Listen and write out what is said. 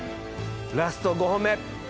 ラスト５本目。